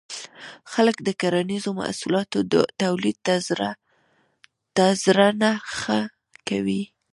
خلک د کرنیزو محصولاتو تولید ته زړه نه ښه کوي.